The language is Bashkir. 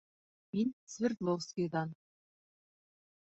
— Мин Свердловскиҙан.